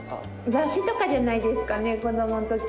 雑誌とかじゃないですかね子供ん時。